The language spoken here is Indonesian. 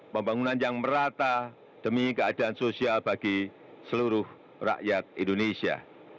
pembangunan yang merata demi keadaan sosial bagi seluruh rakyat indonesia